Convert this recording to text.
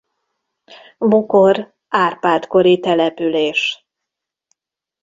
Bokor Árpád-kori település.